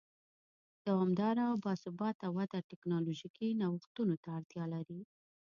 دوامداره او با ثباته وده ټکنالوژیکي نوښتونو ته اړتیا لري.